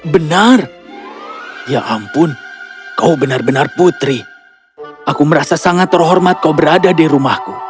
benar ya ampun kau benar benar putri aku merasa sangat terhormat kau berada di rumahku